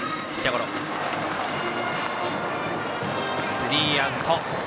スリーアウト。